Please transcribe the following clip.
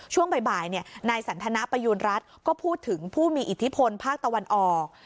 ช่วงบ่ายนายสันทนประยูณรัฐก็พูดถึงผู้มีอิทธิพลภาคตะวันออก